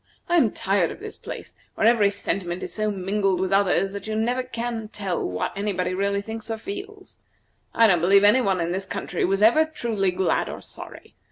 I am tired of this place, where every sentiment is so mingled with others that you can never tell what anybody really thinks or feels. I don't believe any one in this country was ever truly glad or sorry.